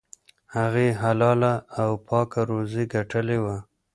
هغې حلاله او پاکه روزي ګټلې وه.